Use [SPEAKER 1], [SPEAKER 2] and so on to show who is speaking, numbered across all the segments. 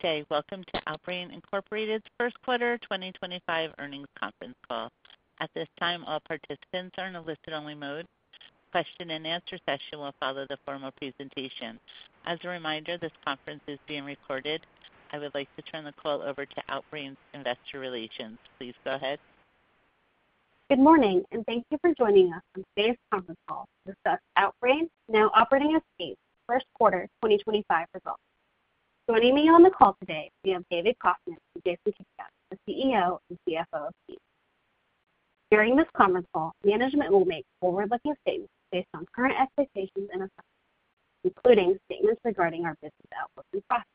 [SPEAKER 1] Okay. Welcome to Outbrain Incorporated First-Quarter 2025 Earnings Conference Call. At this time, all participants are in a listen-only mode. Question-and-answer session will follow the formal presentation. As a reminder, this conference is being recorded. I would like to turn the call over to Outbrain's Investor Relations. Please go ahead. Good morning, and thank you for joining us on today's conference call to discuss Outbrain now operating as Teads' First-Quarter 2025 Results. Joining me on the call today we have David Kostman and Jason Kiviat, the CEO and CFO of Teads. During this conference call, management will make forward-looking statements based on current expectations and assumptions, including statements regarding our business outlook and process.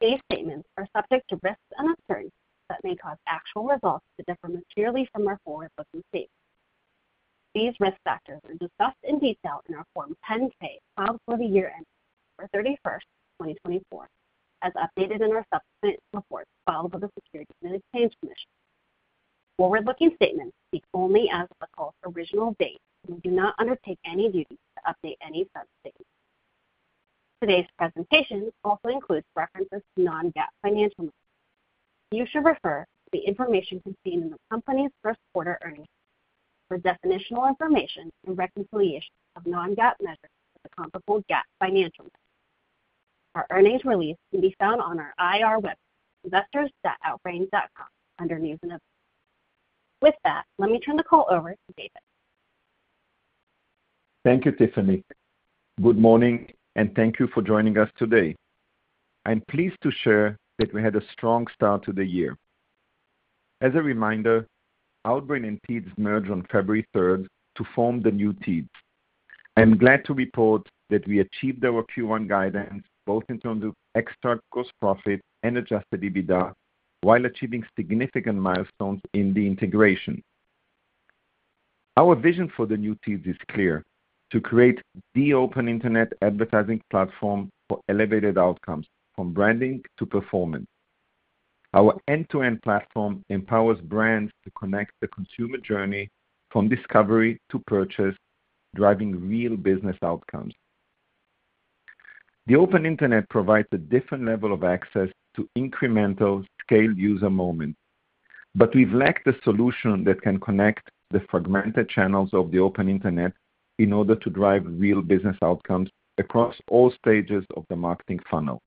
[SPEAKER 1] These statements are subject to risks and uncertainties that may cause actual results to differ materially from our forward-looking statements. These risk factors are discussed in detail in our Form 10-K filed for the year ending December 31, 2024, as updated in our subsequent reports filed with the Securities and Exchange Commission. Forward-looking statements speak only as the call's original date, and we do not undertake any duties to update any such statements. Today's presentation also includes references to non-GAAP financial measures. You should refer to the information contained in the company's first-quarter earnings statements for definitional information and reconciliation of non-GAAP measures with the comparable GAAP financial measures. Our earnings release can be found on our IR website, investors.outbrain.com, under News and Updates. With that, let me turn the call over to David.
[SPEAKER 2] Thank you, Tiffany. Good morning, and thank you for joining us today. I'm pleased to share that we had a strong start to the year. As a reminder, Outbrain and Teads merged on February 3rd to form the new Teads. I'm glad to report that we achieved our Q1 guidance, both in terms of ex-TAC gross profit and adjusted EBITDA, while achieving significant milestones in the integration. Our vision for the new Teads is clear: to create the open internet advertising platform for elevated outcomes, from branding to performance. Our end-to-end platform empowers brands to connect the consumer journey from discovery to purchase, driving real business outcomes. The open internet provides a different level of access to incremental, scaled user moments, but we've lacked a solution that can connect the fragmented channels of the open internet in order to drive real business outcomes across all stages of the marketing funnel.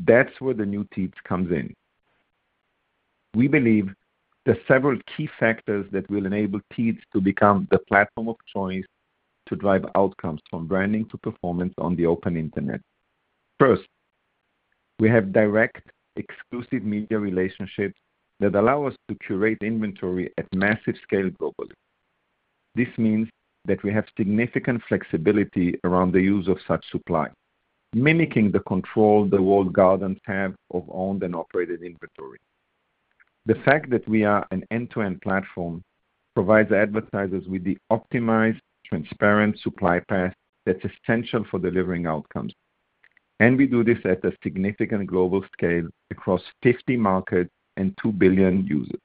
[SPEAKER 2] That's where the new Teads comes in. We believe there are several key factors that will enable Teads to become the platform of choice to drive outcomes from branding to performance on the open internet. First, we have direct, exclusive media relationships that allow us to curate inventory at massive scale globally. This means that we have significant flexibility around the use of such supply, mimicking the control the world governments have of owned and operated inventory. The fact that we are an end-to-end platform provides advertisers with the optimized, transparent supply path that's essential for delivering outcomes, and we do this at a significant global scale across 50 markets and 2 billion users.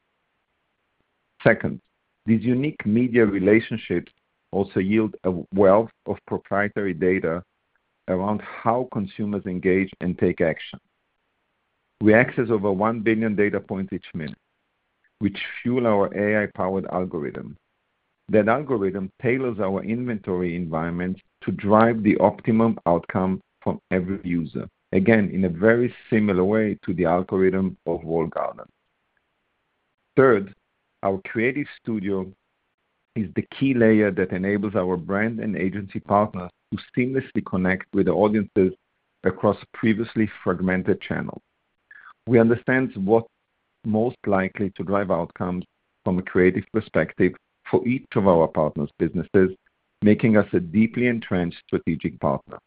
[SPEAKER 2] Second, these unique media relationships also yield a wealth of proprietary data around how consumers engage and take action. We access over 1 billion data points each minute, which fuel our AI-powered algorithm. That algorithm tailors our inventory environment to drive the optimum outcome from every user, again, in a very similar way to the algorithm of world governments. Third, our creative studio is the key layer that enables our brand and agency partners to seamlessly connect with the audiences across previously fragmented channels. We understand what is most likely to drive outcomes from a creative perspective for each of our partners' businesses, making us a deeply entrenched strategic partner.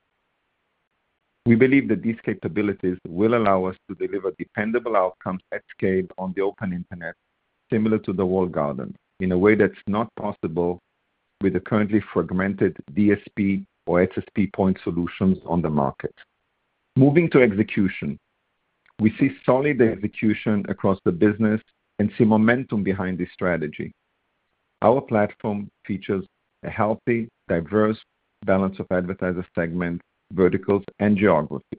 [SPEAKER 2] We believe that these capabilities will allow us to deliver dependable outcomes at scale on the open internet, similar to the world governments, in a way that is not possible with the currently fragmented DSP or SSP point solutions on the market. Moving to execution, we see solid execution across the business and see momentum behind this strategy. Our platform features a healthy, diverse balance of advertiser segments, verticals, and geography.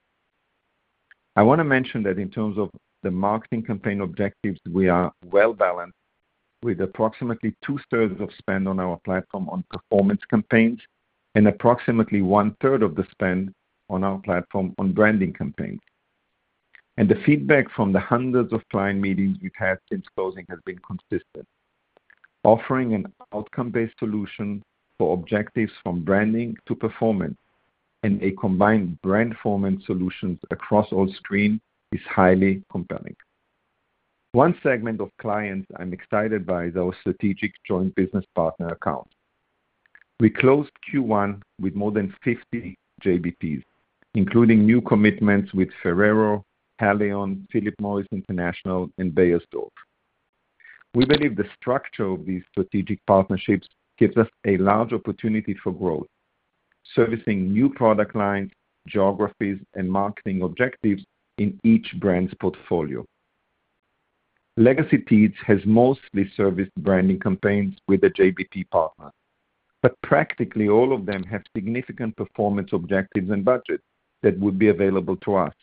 [SPEAKER 2] I want to mention that in terms of the marketing campaign objectives, we are well-balanced with approximately two-thirds of spend on our platform on performance campaigns and approximately one-third of the spend on our platform on branding campaigns. The feedback from the 100s of client meetings we've had since closing has been consistent. Offering an outcome-based solution for objectives from branding to performance and a combined brand-formance solution across all screens is highly compelling. One segment of clients I'm excited by is our strategic joint business partner accounts. We closed Q1 with more than 50 JBPs, including new commitments with Ferrero, Haleon, Philip Morris International, and Bayer. We believe the structure of these strategic partnerships gives us a large opportunity for growth, servicing new product lines, geographies, and marketing objectives in each brand's portfolio. Legacy Teads has mostly serviced branding campaigns with a JBP partner, but practically all of them have significant performance objectives and budgets that would be available to us.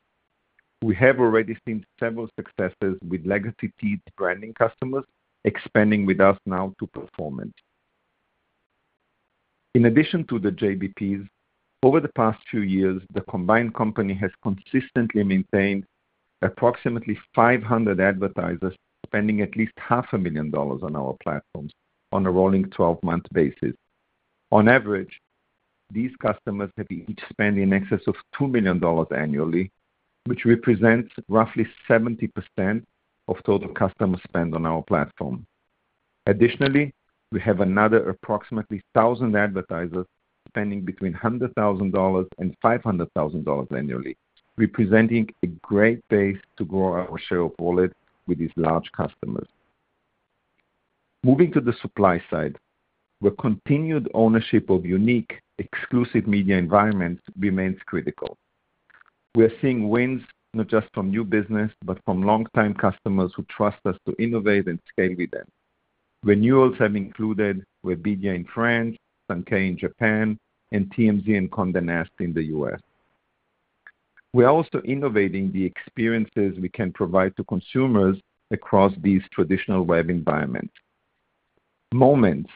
[SPEAKER 2] We have already seen several successes with Legacy Teads branding customers expanding with us now to performance. In addition to the JBPs, over the past few years, the combined company has consistently maintained approximately 500 advertisers spending at least $500,000 on our platforms on a rolling 12-month basis. On average, these customers have each spent in excess of $2 million annually, which represents roughly 70% of total customer spend on our platform. Additionally, we have another approximately 1,000 advertisers spending between $100,000 and $500,000 annually, representing a great base to grow our share of wallet with these large customers. Moving to the supply side, where continued ownership of unique, exclusive media environments remains critical. We are seeing wins not just from new business, but from long-time customers who trust us to innovate and scale with them. Renewals have included Webedia in France, Sankei in Japan, and TMZ and Condé Nast in the U.S. We are also innovating the experiences we can provide to consumers across these traditional web environments. Moments,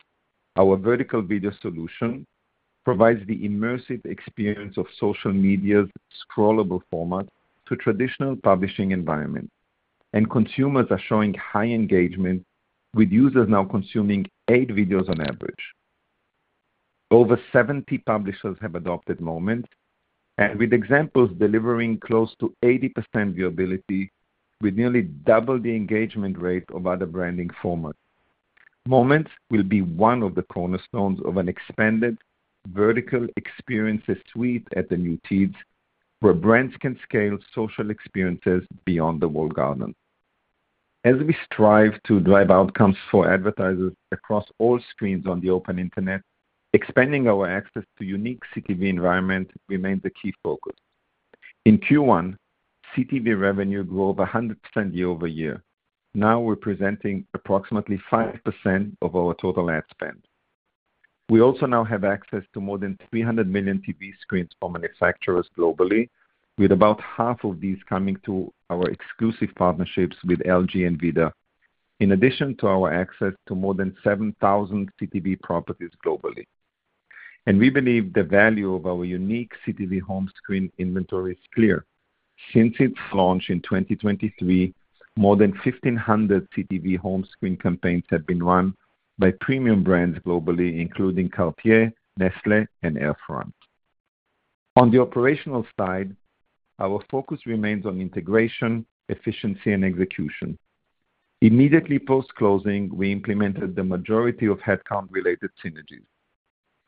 [SPEAKER 2] our vertical video solution, provides the immersive experience of social media's scrollable format to traditional publishing environments, and consumers are showing high engagement, with users now consuming eight videos on average. Over 70 publishers have adopted Moments, and with examples delivering close to 80% viewability, with nearly double the engagement rate of other branding formats. Moments will be one of the cornerstones of an expanded vertical experiences suite at the new Teads, where brands can scale social experiences beyond the world governments. As we strive to drive outcomes for advertisers across all screens on the open internet, expanding our access to unique CTV environments remains a key focus. In Q1, CTV revenue grew over 100% year over year. Now we're presenting approximately 5% of our total ad spend. We also now have access to more than 300 million TV screens from manufacturers globally, with about half of these coming through our exclusive partnerships with LG and Vizio, in addition to our access to more than 7,000 CTV properties globally. We believe the value of our unique CTV home screen inventory is clear. Since its launch in 2023, more than 1,500 CTV home screen campaigns have been run by premium brands globally, including Cartier, Nestlé, and Air France. On the operational side, our focus remains on integration, efficiency, and execution. Immediately post-closing, we implemented the majority of headcount-related synergies.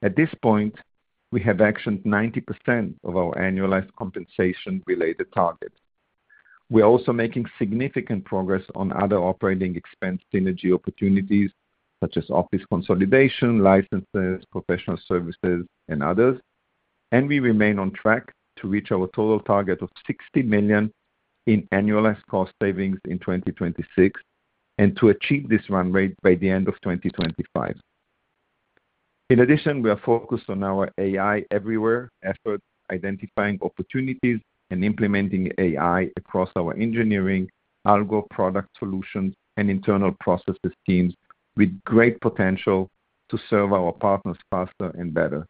[SPEAKER 2] At this point, we have actioned 90% of our annualized compensation-related target. We are also making significant progress on other operating expense synergy opportunities, such as office consolidation, licenses, professional services, and others, and we remain on track to reach our total target of $60 million in annualized cost savings in 2026 and to achieve this run rate by the end of 2025. In addition, we are focused on our AI everywhere effort, identifying opportunities and implementing AI across our engineering, algo, product solutions, and internal processes teams, with great potential to serve our partners faster and better.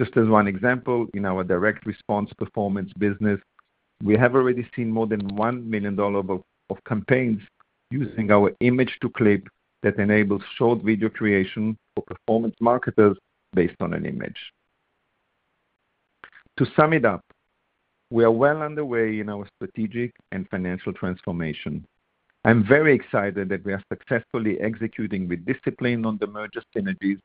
[SPEAKER 2] Just as one example, in our direct response performance business, we have already seen more than $1 million of campaigns using our Image-to-Clip that enables short video creation for performance marketers based on an image. To sum it up, we are well underway in our strategic and financial transformation. I'm very excited that we are successfully executing with discipline on the merger synergies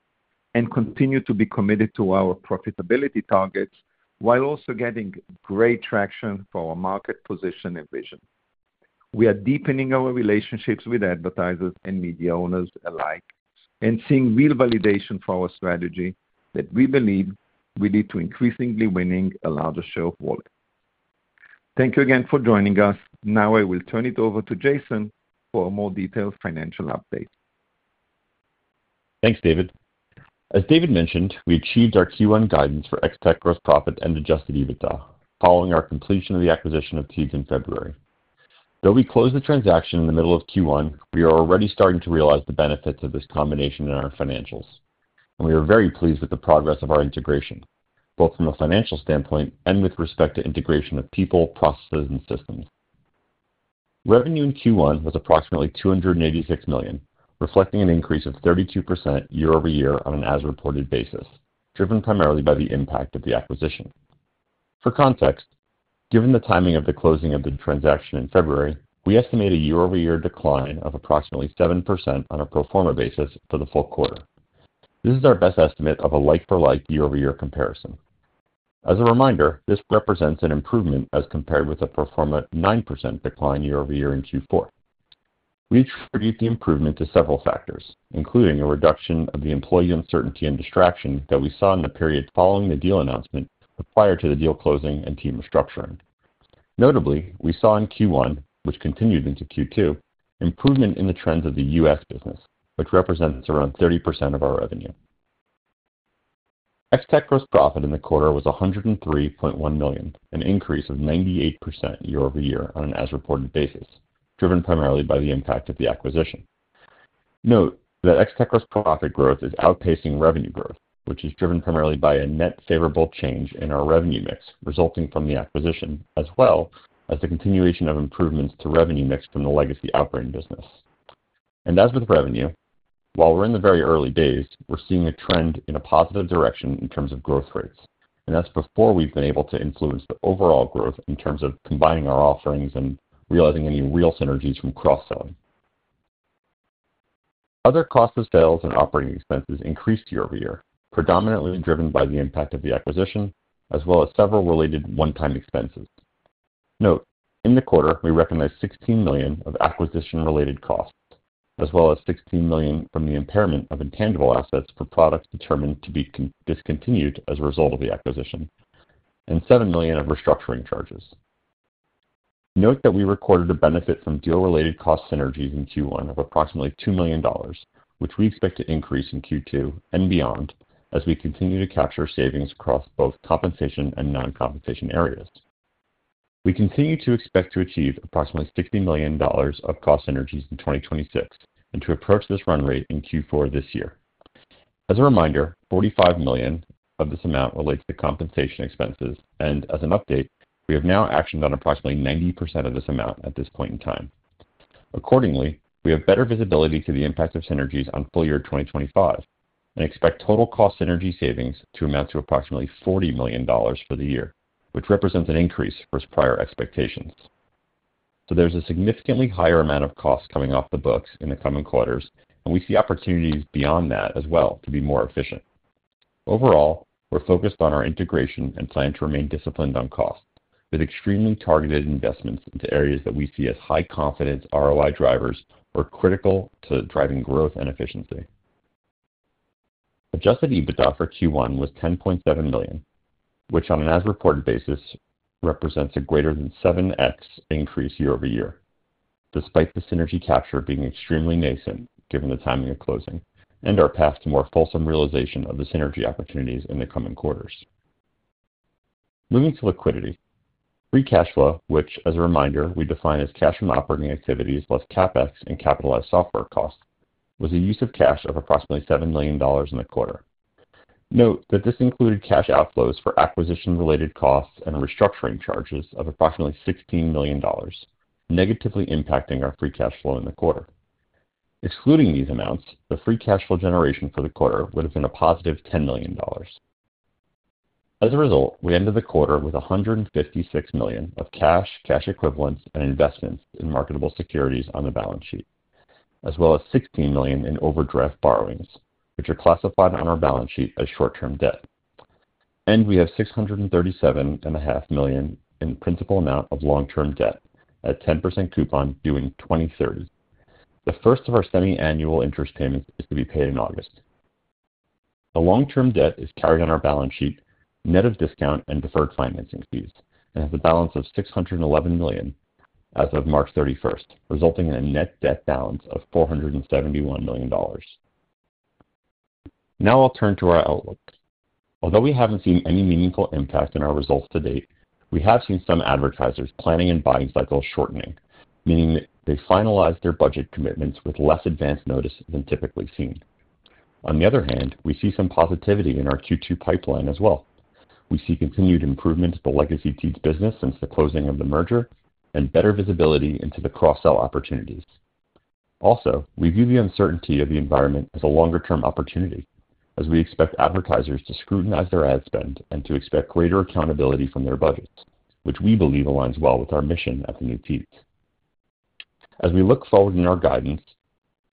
[SPEAKER 2] and continue to be committed to our profitability targets while also getting great traction for our market position and vision. We are deepening our relationships with advertisers and media owners alike and seeing real validation for our strategy that we believe will lead to increasingly winning a larger share of wallet. Thank you again for joining us. Now I will turn it over to Jason for a more detailed financial update.
[SPEAKER 3] Thanks, David. As David mentioned, we achieved our Q1 guidance for Ex-TAC gross profit and adjusted EBITDA following our completion of the acquisition of Teads in February. Though we closed the transaction in the middle of Q1, we are already starting to realize the benefits of this combination in our financials, and we are very pleased with the progress of our integration, both from a financial standpoint and with respect to integration of people, processes, and systems. Revenue in Q1 was approximately $286 million, reflecting an increase of 32% year over year on an as-reported basis, driven primarily by the impact of the acquisition. For context, given the timing of the closing of the transaction in February, we estimate a year-over-year decline of approximately 7% on a proforma basis for the full quarter. This is our best estimate of a like-for-like year-over-year comparison. As a reminder, this represents an improvement as compared with a proforma 9% decline year-over-year in Q4. We attribute the improvement to several factors, including a reduction of the employee uncertainty and distraction that we saw in the period following the deal announcement prior to the deal closing and team restructuring. Notably, we saw in Q1, which continued into Q2, improvement in the trends of the U.S. business, which represents around 30% of our revenue. Ex-TAC gross profit in the quarter was $103.1 million, an increase of 98% year-over-year on an as-reported basis, driven primarily by the impact of the acquisition. Note that Ex-TAC gross profit growth is outpacing revenue growth, which is driven primarily by a net favorable change in our revenue mix resulting from the acquisition, as well as the continuation of improvements to revenue mix from the legacy operating business. As with revenue, while we're in the very early days, we're seeing a trend in a positive direction in terms of growth rates, and that's before we've been able to influence the overall growth in terms of combining our offerings and realizing any real synergies from cross-selling. Other cost of sales and operating expenses increased year-over-year, predominantly driven by the impact of the acquisition, as well as several related one-time expenses. Note, in the quarter, we recognize $16 million of acquisition-related costs, as well as $16 million from the impairment of intangible assets for products determined to be discontinued as a result of the acquisition, and $7 million of restructuring charges. Note that we recorded a benefit from deal-related cost synergies in Q1 of approximately $2 million, which we expect to increase in Q2 and beyond as we continue to capture savings across both compensation and non-compensation areas. We continue to expect to achieve approximately $60 million of cost synergies in 2026 and to approach this run rate in Q4 this year. As a reminder, $45 million of this amount relates to compensation expenses, and as an update, we have now actioned on approximately 90% of this amount at this point in time. Accordingly, we have better visibility to the impact of synergies on full year 2025 and expect total cost synergy savings to amount to approximately $40 million for the year, which represents an increase versus prior expectations. There is a significantly higher amount of cost coming off the books in the coming quarters, and we see opportunities beyond that as well to be more efficient. Overall, we're focused on our integration and plan to remain disciplined on cost, with extremely targeted investments into areas that we see as high-confidence ROI drivers or critical to driving growth and efficiency. Adjusted EBITDA for Q1 was $10.7 million, which on an as-reported basis represents a greater than 7X increase year-over-year, despite the synergy capture being extremely nascent given the timing of closing and our path to more fulsome realization of the synergy opportunities in the coming quarters. Moving to liquidity, free cash flow, which as a reminder, we define as cash from operating activities + CapEx and capitalized software cost, was a use of cash of approximately $7 million in the quarter. Note that this included cash outflows for acquisition-related costs and restructuring charges of approximately $16 million, negatively impacting our free cash flow in the quarter. Excluding these amounts, the free cash flow generation for the quarter would have been a +ve $10 million. As a result, we ended the quarter with $156 million of cash, cash equivalents, and investments in marketable securities on the balance sheet, as well as $16 million in overdraft borrowings, which are classified on our balance sheet as short-term debt. We have $637.5 million in principal amount of long-term debt at a 10% coupon due in 2030. The first of our semi-annual interest payments is to be paid in August. The long-term debt is carried on our balance sheet, net of discount and deferred financing fees, and has a balance of $611 million as of March 31, resulting in a net debt balance of $471 million. Now I'll turn to our outlook. Although we haven't seen any meaningful impact in our results to date, we have seen some advertisers' planning and buying cycles shortening, meaning that they finalized their budget commitments with less advance notice than typically seen. On the other hand, we see some positivity in our Q2 pipeline as well. We see continued improvement to the legacy Teads business since the closing of the merger and better visibility into the cross-sell opportunities. Also, we view the uncertainty of the environment as a longer-term opportunity, as we expect advertisers to scrutinize their ad spend and to expect greater accountability from their budgets, which we believe aligns well with our mission at the new Teads. As we look forward in our guidance,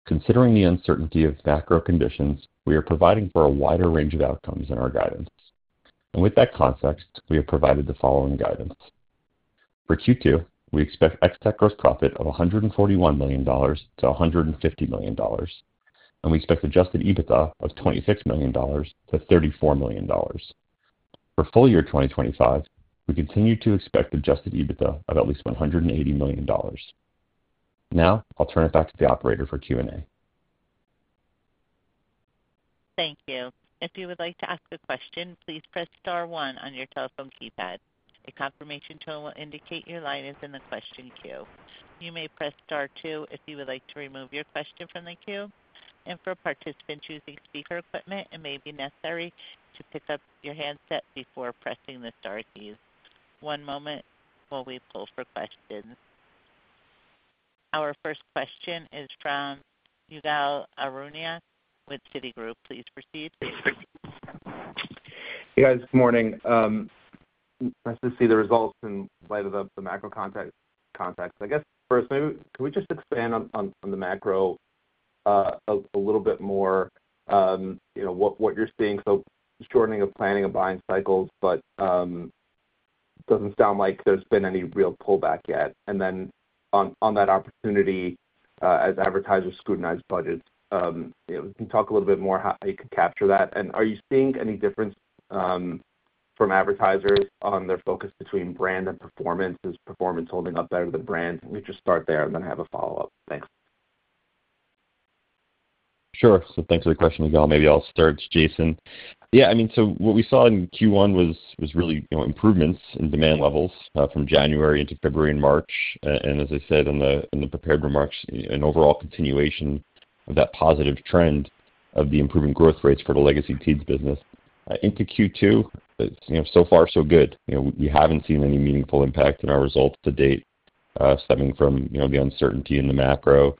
[SPEAKER 3] considering the uncertainty of macro conditions, we are providing for a wider range of outcomes in our guidance. With that context, we have provided the following guidance. For Q2, we expect ex-TAC gross profit of $141 million-$150 million, and we expect adjusted EBITDA of $26 million-$34 million. For full year 2025, we continue to expect adjusted EBITDA of at least $180 million. Now I'll turn it back to the operator for Q&A.
[SPEAKER 1] Thank you. If you would like to ask a question, please press star one on your telephone keypad. A confirmation tone will indicate your line is in the question queue. You may press star two if you would like to remove your question from the queue. For participants using speaker equipment, it may be necessary to pick up your handset before pressing the star keys. One moment while we pull for questions. Our first question is from Ygal Arounian with Citigroup. Please proceed.
[SPEAKER 4] Hey, guys. Good morning. Nice to see the results in light of the macro context. I guess first, maybe could we just expand on the macro a little bit more, what you're seeing? So shortening of planning and buying cycles, but it doesn't sound like there's been any real pullback yet. On that opportunity, as advertisers scrutinize budgets, can you talk a little bit more about how you could capture that? Are you seeing any difference from advertisers on their focus between brand and performance? Is performance holding up better than brand? We'll just start there and then have a follow-up. Thanks.
[SPEAKER 3] Sure. Thanks for the question, Ygal. Maybe I'll start, Jason. Yeah, I mean, what we saw in Q1 was really improvements in demand levels from January into February and March. As I said in the prepared remarks, an overall continuation of that positive trend of the improving growth rates for the legacy Teads business. Into Q2, so far, so good. We haven't seen any meaningful impact in our results to date, stemming from the uncertainty in the macro.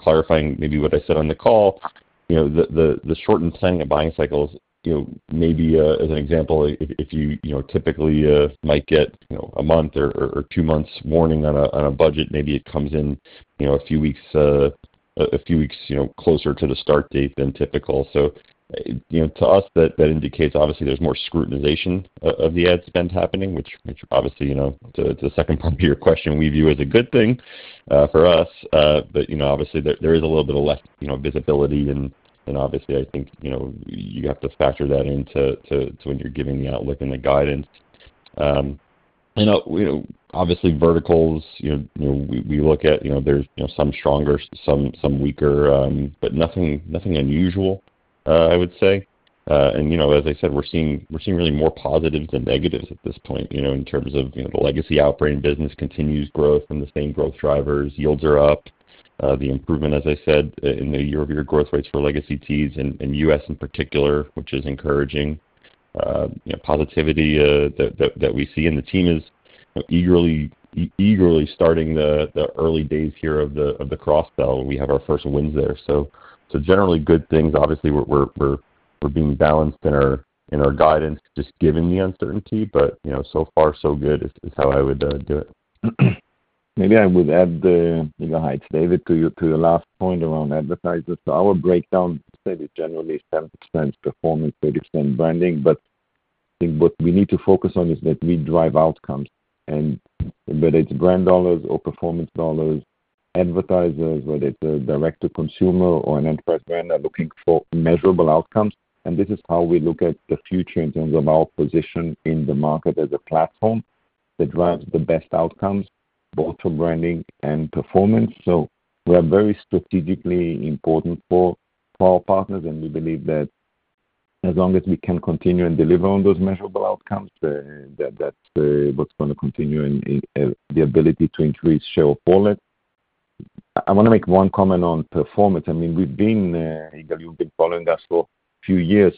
[SPEAKER 3] Clarifying maybe what I said on the call, the shortened planning and buying cycles, maybe as an example, if you typically might get a month or two months' warning on a budget, maybe it comes in a few weeks closer to the start date than typical. To us, that indicates, obviously, there's more scrutinization of the ad spend happening, which, obviously, to the second part of your question, we view as a good thing for us. There is a little bit of less visibility, and, obviously, I think you have to factor that into when you're giving the outlook and the guidance. Verticals, we look at, there's some stronger, some weaker, but nothing unusual, I would say. As I said, we're seeing really more positives than negatives at this point in terms of the legacy operating business continues growth from the same growth drivers. Yields are up. The improvement, as I said, in the year-over-year growth rates for legacy Teads and U.S. in particular, which is encouraging. Positivity that we see, and the team is eagerly starting the early days here of the cross-sell. We have our first wins there. Generally, good things. Obviously, we're being balanced in our guidance just given the uncertainty, but so far, so good is how I would do it.
[SPEAKER 2] Maybe I would add the, hi, it's David, to your last point around advertisers. Our breakdown, I'd say, is generally 7% performance, 30% branding. I think what we need to focus on is that we drive outcomes, and whether it's brand dollars or performance dollars, advertisers, whether it's a direct-to-consumer or an enterprise brand, are looking for measurable outcomes. This is how we look at the future in terms of our position in the market as a platform that drives the best outcomes, both for branding and performance. We are very strategically important for our partners, and we believe that as long as we can continue and deliver on those measurable outcomes, that's what's going to continue in the ability to increase share of wallet. I want to make one comment on performance. I mean, you've been following us for a few years.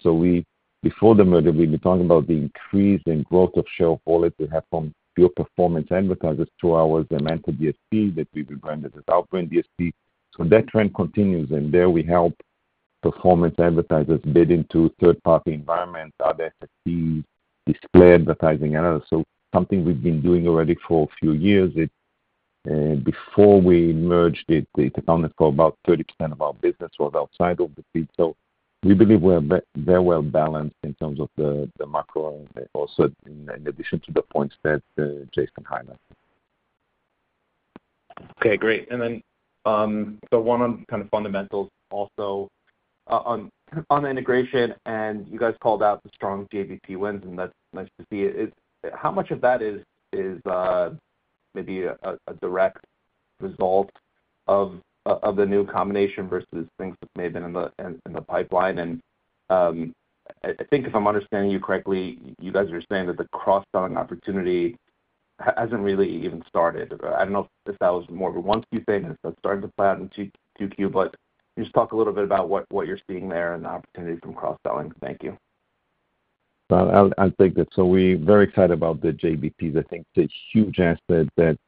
[SPEAKER 2] Before the merger, we've been talking about the increase in growth of share of wallet we have from pure performance advertisers to our Zamenta DSP that we've rebranded as Outbrain DSP. That trend continues, and there we help performance advertisers bid into third-party environments, other SSPs, display advertising, and others. Something we've been doing already for a few years. Before we merged, it accounted for about 30% of our business was outside of the feed. We believe we're very well balanced in terms of the macro and also in addition to the points that Jason highlighted.
[SPEAKER 4] Okay, great. One on kind of fundamentals also on the integration, and you guys called out the strong JBP wins, and that's nice to see. How much of that is maybe a direct result of the new combination vs things that may have been in the pipeline? I think if I'm understanding you correctly, you guys are saying that the cross-selling opportunity hasn't really even started. I don't know if that was more of a once you say that it's starting to play out in Q2, but just talk a little bit about what you're seeing there and the opportunity from cross-selling. Thank you.
[SPEAKER 2] I will take that. We are very excited about the JBPs. I think the huge aspect that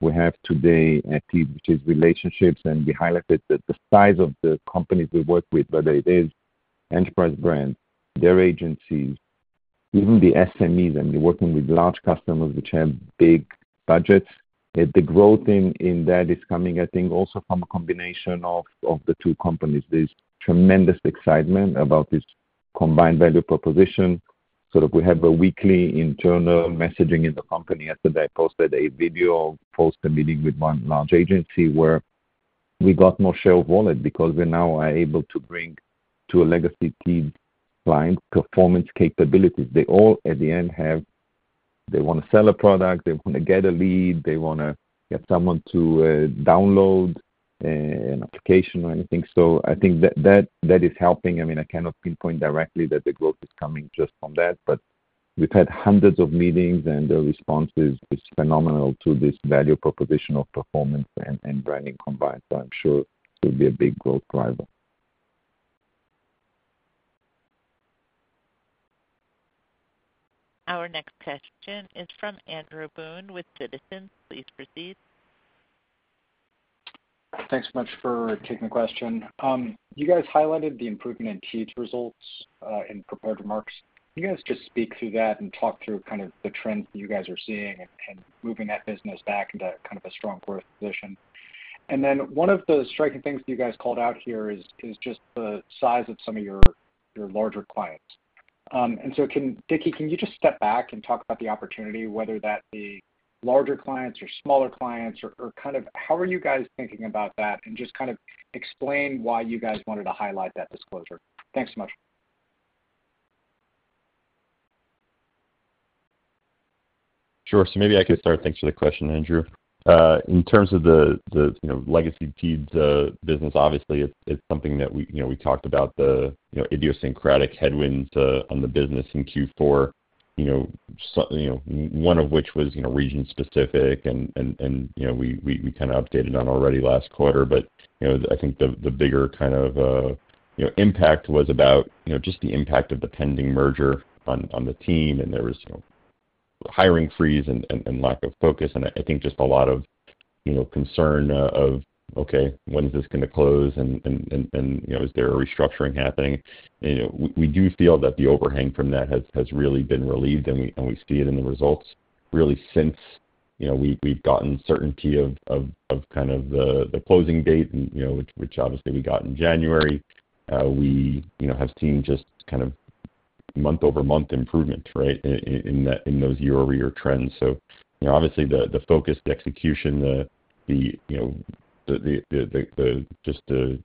[SPEAKER 2] we have today at Teads, which is relationships, and we highlighted that the size of the companies we work with, whether it is enterprise brands, their agencies, even the SMEs, and you are working with large customers which have big budgets. The growth in that is coming, I think, also from a combination of the two companies. There is tremendous excitement about this combined value proposition. We have a weekly internal messaging in the company. Yesterday, I posted a video post a meeting with one large agency where we got more share of wallet because we now are able to bring to a legacy Teads client performance capabilities. They all, at the end, have they want to sell a product, they want to get a lead, they want to get someone to download an application or anything. I think that is helping. I mean, I cannot pinpoint directly that the growth is coming just from that, but we've had hundreds of meetings, and the response is phenomenal to this value proposition of performance and branding combined. I'm sure it will be a big growth driver.
[SPEAKER 1] Our next question is from Andrew Boone with Citizens. Please proceed.
[SPEAKER 5] Thanks so much for taking the question. You guys highlighted the improvement in Teads results in prepared remarks. Can you guys just speak through that and talk through kind of the trends that you guys are seeing and moving that business back into kind of a strong growth position? One of the striking things that you guys called out here is just the size of some of your larger clients. Kiviat, can you just step back and talk about the opportunity, whether that be larger clients or smaller clients, or kind of how are you guys thinking about that? Just kind of explain why you guys wanted to highlight that disclosure. Thanks so much.
[SPEAKER 3] Sure. Maybe I could start. Thanks for the question, Andrew. In terms of the legacy Teads business, obviously, it's something that we talked about, the idiosyncratic headwinds on the business in Q4, one of which was region-specific, and we kind of updated on already last quarter. I think the bigger kind of impact was about just the impact of the pending merger on the team, and there was a hiring freeze and lack of focus. I think just a lot of concern of, okay, when is this going to close, and is there a restructuring happening? We do feel that the overhang from that has really been relieved, and we see it in the results really since we've gotten certainty of kind of the closing date, which obviously we got in January. We have seen just kind of month-over-month improvement, right, in those year-over-year trends. Obviously, the focus, the execution, just doing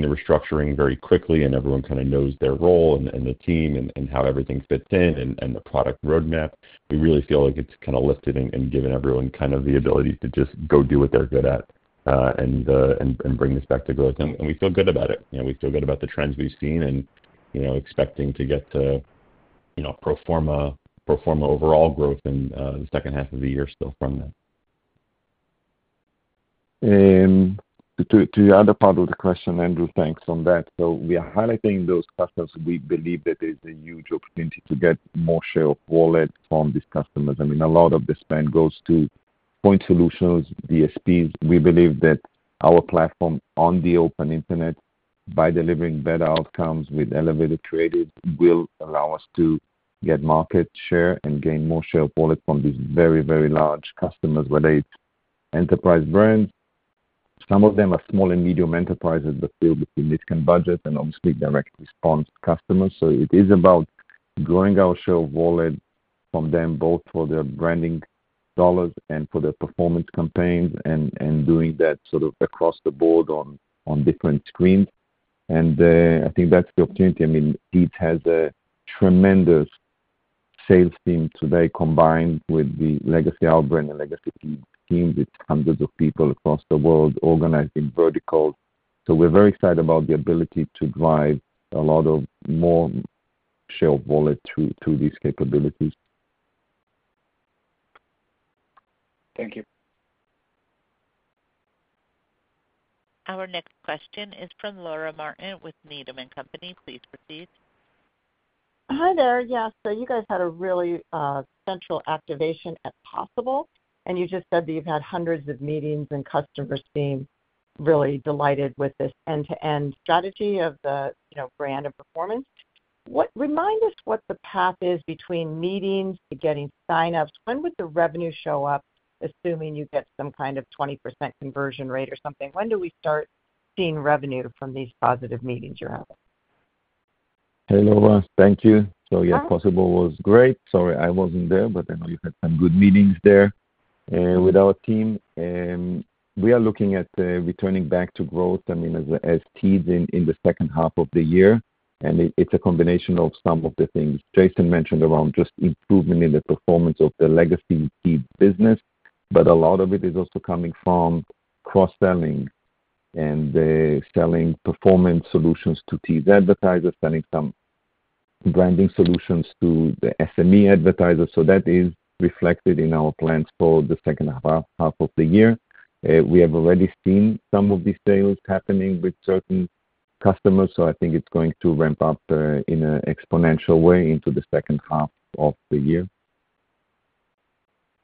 [SPEAKER 3] the restructuring very quickly, and everyone kind of knows their role and the team and how everything fits in and the product roadmap, we really feel like it's kind of lifted and given everyone kind of the ability to just go do what they're good at and bring this back to growth. We feel good about it. We feel good about the trends we've seen and expecting to get to pro forma overall growth in the second half of the year still from that. To the other part of the question, Andrew, thanks on that. We are highlighting those customers. We believe that there's a huge opportunity to get more share of wallet from these customers. I mean, a lot of the spend goes to point solutions, DSPs. We believe that our platform on the open internet, by delivering better outcomes with elevated creatives, will allow us to get market share and gain more share of wallet from these very, very large customers, whether it's enterprise brands. Some of them are small and medium enterprises that deal with significant budgets and obviously direct response customers. It is about growing our share of wallet from them, both for their branding dollars and for their performance campaigns and doing that sort of across the board on different screens. I think that's the opportunity. I mean, Teads has a tremendous sales team today combined with the legacy Outbrain and legacy Teads teams. It's hundreds of people across the world organized in verticals. So we're very excited about the ability to drive a lot of more share of wallet through these capabilities.
[SPEAKER 5] Thank you.
[SPEAKER 1] Our next question is from Laura Martin with Needham & Company. Please proceed.
[SPEAKER 6] Hi there. Yeah, so you guys had a really central activation at Possible, and you just said that you've had hundreds of meetings and customers being really delighted with this end-to-end strategy of the brand and performance. Remind us what the path is between meetings to getting sign-ups. When would the revenue show up, assuming you get some kind of 20% conversion rate or something? When do we start seeing revenue from these +ve meetings you're having?
[SPEAKER 2] Hello, Laura. Thank you. Yeah, possible was great. Sorry, I wasn't there, but I know you had some good meetings there with our team. We are looking at returning back to growth, I mean, as Teads in the second half of the year. It's a combination of some of the things Jason mentioned around just improvement in the performance of the legacy Teads business, but a lot of it is also coming from cross-selling and selling performance solutions to Teads advertisers, selling some branding solutions to the SME advertisers. That is reflected in our plans for the second half of the year. We have already seen some of these sales happening with certain customers, so I think it's going to ramp up in an exponential way into the second half of the year.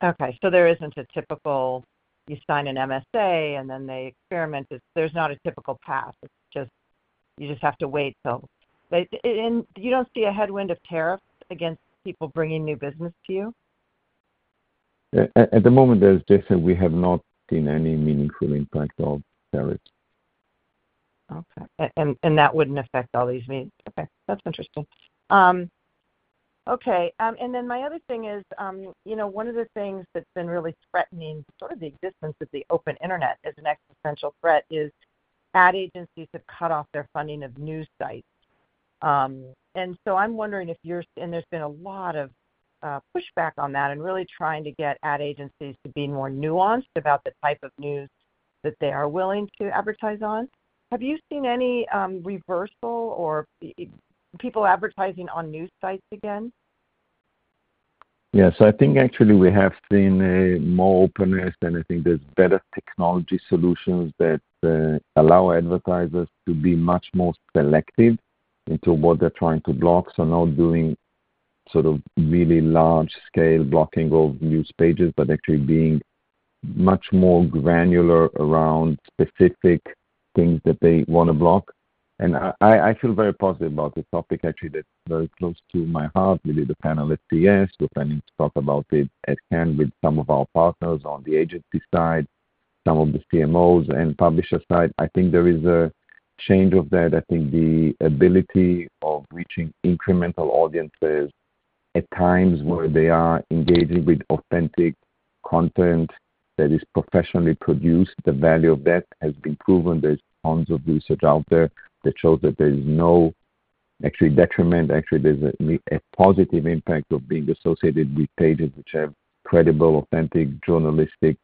[SPEAKER 6] Okay. So there isn't a typical you sign an MSA, and then they experiment. There's not a typical path. You just have to wait till you don't see a headwind of tariffs against people bringing new business to you?
[SPEAKER 2] At the moment, as Jason Kiviat said, we have not seen any meaningful impact of tariffs.
[SPEAKER 6] Okay. That would not affect all these meetings? Okay. That is interesting. My other thing is one of the things that has been really threatening sort of the existence of the open internet as an existential threat is ad agencies have cut off their funding of news sites. I am wondering if you are, and there has been a lot of pushback on that and really trying to get ad agencies to be more nuanced about the type of news that they are willing to advertise on. Have you seen any reversal or people advertising on news sites again?
[SPEAKER 2] Yes. I think actually we have seen more openness, and I think there's better technology solutions that allow advertisers to be much more selective into what they're trying to block. Not doing sort of really large-scale blocking of news pages, but actually being much more granular around specific things that they want to block. I feel very positive about the topic, actually, that's very close to my heart, with the panel at CES. We're planning to talk about it at hand with some of our partners on the agency side, some of the CMOs and publisher side. I think there is a change of that. I think the ability of reaching incremental audiences at times where they are engaging with authentic content that is professionally produced, the value of that has been proven. There's tons of research out there that shows that there's no actual detriment. Actually, there's a +ve impact of being associated with pages which have credible, authentic, journalistic,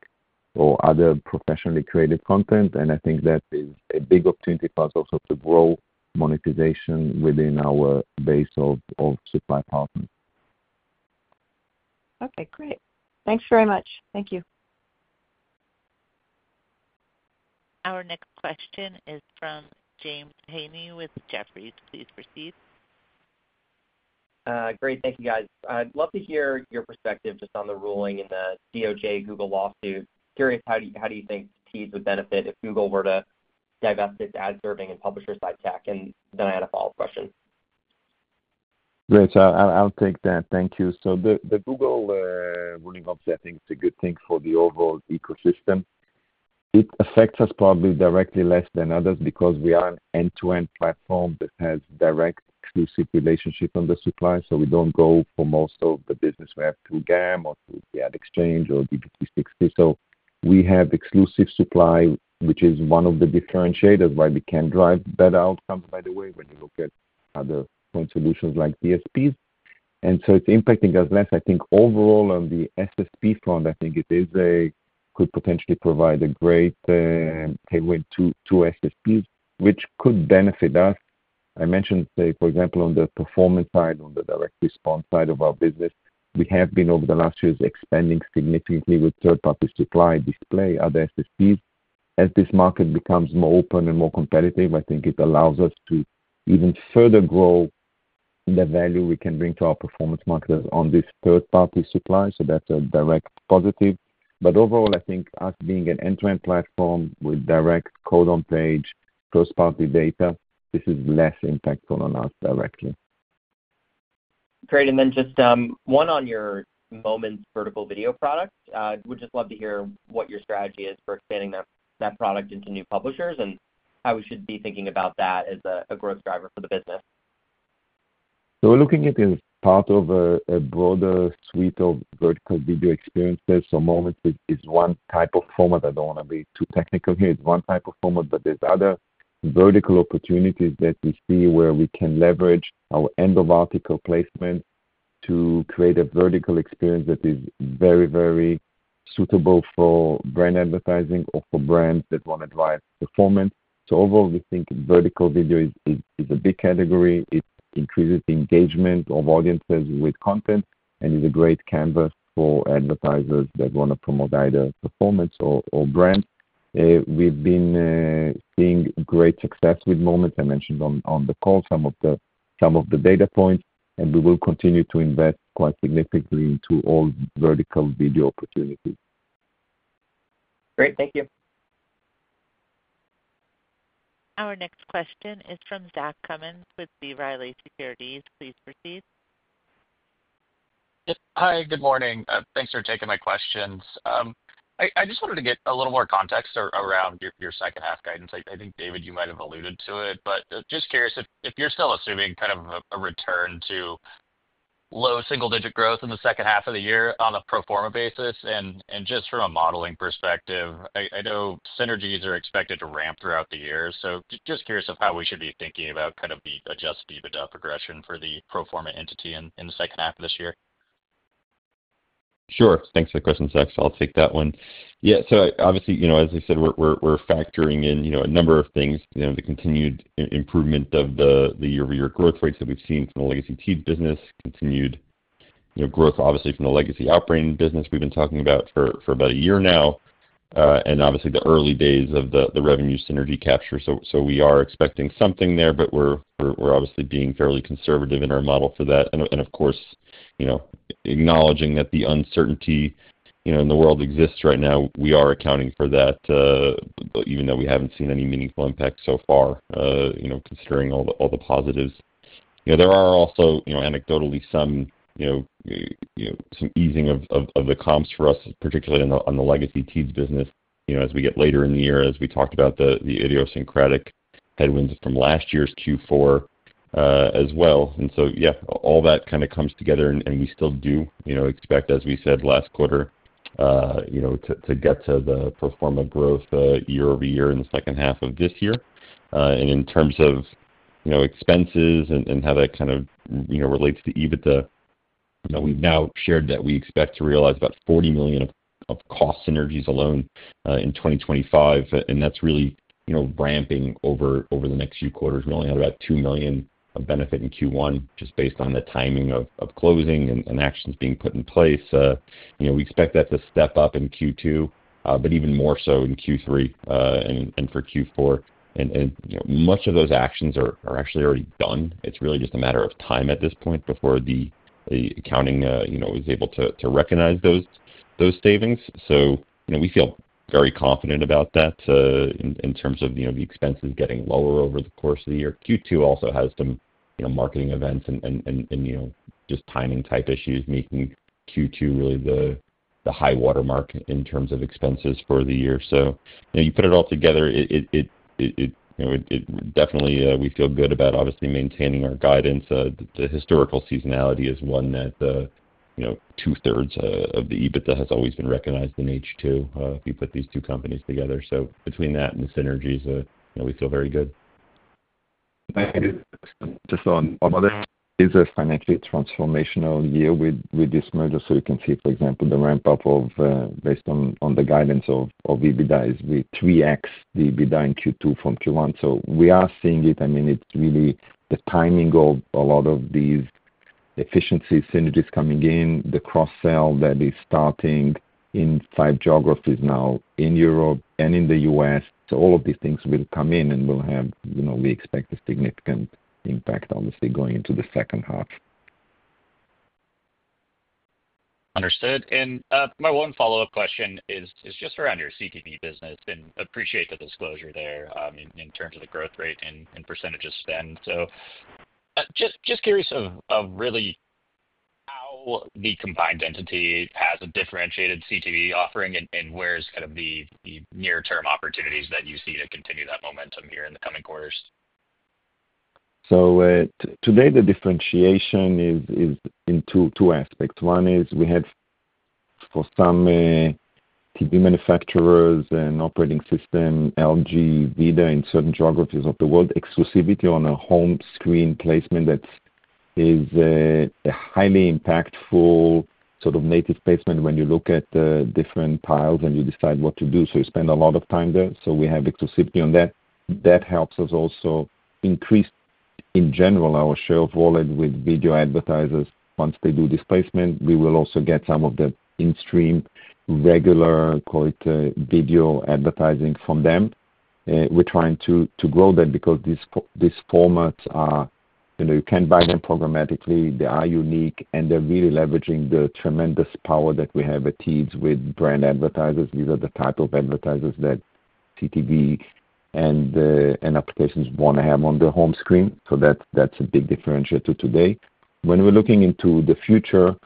[SPEAKER 2] or other professionally created content. I think that is a big opportunity for us also to grow monetization within our base of supply partners.
[SPEAKER 6] Okay. Great. Thanks very much. Thank you.
[SPEAKER 1] Our next question is from James Heaney with Jefferies. Please proceed.
[SPEAKER 7] Great. Thank you, guys. I'd love to hear your perspective just on the ruling in the DOJ Google lawsuit. Curious, how do you think Teads would benefit if Google were to divest its ad-serving and publisher-side tech? I had a follow-up question.
[SPEAKER 2] Great. I'll take that. Thank you. The Google ruling of settings is a good thing for the overall ecosystem. It affects us probably directly less than others because we are an end-to-end platform that has direct exclusive relationships on the supply. We do not go for most of the business to GAM or to the Ad Exchange or DV360. We have exclusive supply, which is one of the differentiators why we can drive better outcomes, by the way, when you look at other point solutions like DSPs. It is impacting us less. I think overall, on the SSP front, it could potentially provide a great headwind to SSPs, which could benefit us. I mentioned, for example, on the performance side, on the direct response side of our business, we have been over the last years expanding significantly with third-party supply display, other SSPs. As this market becomes more open and more competitive, I think it allows us to even further grow the value we can bring to our performance marketers on this third-party supply. That's a direct positive. Overall, I think us being an end-to-end platform with direct code on page, first-party data, this is less impactful on us directly.
[SPEAKER 7] Great. Just one on your Moments vertical video product. We'd just love to hear what your strategy is for expanding that product into new publishers and how we should be thinking about that as a growth driver for the business.
[SPEAKER 2] We're looking at it as part of a broader suite of vertical video experiences. Moments is one type of format. I don't want to be too technical here. It's one type of format, but there are other vertical opportunities that we see where we can leverage our end-of-article placement to create a vertical experience that is very, very suitable for brand advertising or for brands that want to drive performance. Overall, we think vertical video is a big category. It increases the engagement of audiences with content and is a great canvas for advertisers that want to promote either performance or brands. We've been seeing great success with Moments. I mentioned on the call some of the data points, and we will continue to invest quite significantly into all vertical video opportunities.
[SPEAKER 7] Great. Thank you.
[SPEAKER 1] Our next question is from Zach Cummins with B. Riley Securities. Please proceed.
[SPEAKER 8] Hi. Good morning. Thanks for taking my questions. I just wanted to get a little more context around your second half guidance. I think, David, you might have alluded to it, but just curious if you're still assuming kind of a return to low single-digit growth in the second half of the year on a pro forma basis. Just from a modeling perspective, I know synergies are expected to ramp throughout the year. Just curious of how we should be thinking about kind of the adjusted EBITDA progression for the pro forma entity in the second half of this year.
[SPEAKER 3] Sure. Thanks for the question, Zach. I'll take that one. Yeah. Obviously, as I said, we're factoring in a number of things, the continued improvement of the year-over-year growth rates that we've seen from the legacy Teads business, continued growth, obviously, from the legacy Outbrain business we've been talking about for about a year now, and obviously the early days of the revenue synergy capture. We are expecting something there, but we're obviously being fairly conservative in our model for that. Of course, acknowledging that the uncertainty in the world exists right now, we are accounting for that, even though we haven't seen any meaningful impact so far, considering all the positives. There are also, anecdotally, some easing of the comps for us, particularly on the legacy Teads business, as we get later in the year, as we talked about the idiosyncratic headwinds from last year's Q4 as well. Yeah, all that kind of comes together, and we still do expect, as we said last quarter, to get to the pro forma growth year-over-year in the second half of this year. In terms of expenses and how that kind of relates to EBITDA, we've now shared that we expect to realize about $40 million of cost synergies alone in 2025. That's really ramping over the next few quarters. We only had about $2 million of benefit in Q1, just based on the timing of closing and actions being put in place. We expect that to step up in Q2, but even more so in Q3 and for Q4. Much of those actions are actually already done. It's really just a matter of time at this point before the accounting is able to recognize those savings. We feel very confident about that in terms of the expenses getting lower over the course of the year. Q2 also has some marketing events and just timing-type issues making Q2 really the high watermark in terms of expenses for the year. You put it all together, definitely we feel good about obviously maintaining our guidance. The historical seasonality is one that two-thirds of the EBITDA has always been recognized in H2 if you put these two companies together. Between that and the synergies, we feel very good.
[SPEAKER 8] Thank you.
[SPEAKER 2] Just on other, it is a financially transformational year with this merger. You can see, for example, the ramp-up based on the guidance of EBITDA is we 3X the EBITDA in Q2 from Q1. We are seeing it. I mean, it is really the timing of a lot of these efficiency synergies coming in, the cross-sell that is starting in five geographies now in Europe and in the U.S.. All of these things will come in, and we expect a significant impact, obviously, going into the second half.
[SPEAKER 8] Understood. My one follow-up question is just around your CPC business. I appreciate the disclosure there in terms of the growth rate and percentage of spend. I am just curious of really how the combined entity has a differentiated CTV offering and where the near-term opportunities are that you see to continue that momentum here in the coming quarters.
[SPEAKER 2] Today, the differentiation is in two aspects. One is we have, for some TV manufacturers and operating system LG, VIZIO in certain geographies of the world, exclusivity on a home screen placement that is a highly impactful sort of native placement when you look at different tiles and you decide what to do. You spend a lot of time there. We have exclusivity on that. That helps us also increase, in general, our share of wallet with video advertisers. Once they do this placement, we will also get some of the in-stream regular, call it video advertising from them. We are trying to grow that because these formats are, you can buy them programmatically. They are unique, and they are really leveraging the tremendous power that we have at Teads with brand advertisers. These are the type of advertisers that CTV and applications want to have on the home screen. That's a big differentiator today. When we're looking into the future,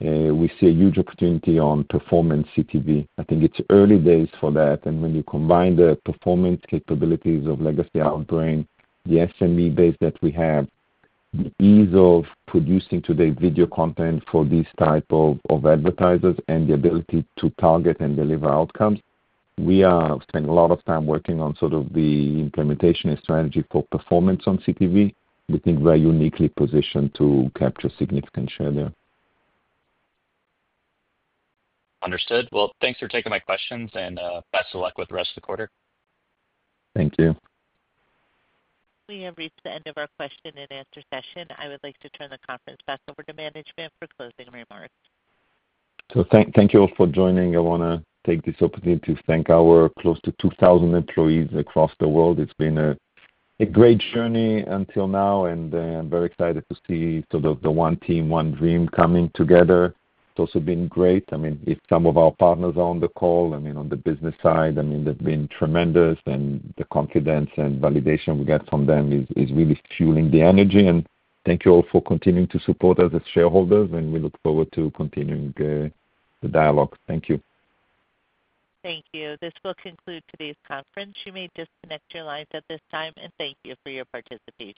[SPEAKER 2] we see a huge opportunity on performance CTV. I think it's early days for that. When you combine the performance capabilities of legacy Outbrain, the SME base that we have, the ease of producing today video content for these types of advertisers, and the ability to target and deliver outcomes, we are spending a lot of time working on sort of the implementation and strategy for performance on CTV. We think we are uniquely positioned to capture a significant share there.
[SPEAKER 8] Understood. Thanks for taking my questions, and best of luck with the rest of the quarter.
[SPEAKER 2] Thank you.
[SPEAKER 1] We have reached the end of our question and answer session. I would like to turn the conference back over to management for closing remarks.
[SPEAKER 2] Thank you all for joining. I want to take this opportunity to thank our close to 2,000 employees across the world. It's been a great journey until now, and I'm very excited to see sort of the one team, one dream coming together. It's also been great. I mean, if some of our partners are on the call, I mean, on the business side, I mean, they've been tremendous, and the confidence and validation we get from them is really fueling the energy. Thank you all for continuing to support us as shareholders, and we look forward to continuing the dialogue. Thank you.
[SPEAKER 1] Thank you. This will conclude today's conference. You may disconnect your lines at this time, and thank you for your participation.